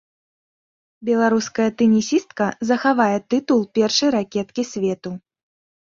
Беларуская тэнісістка захавае тытул першай ракеткі свету.